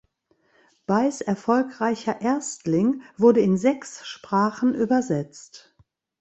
Beys erfolgreicher Erstling wurde in sechs Sprachen übersetzt.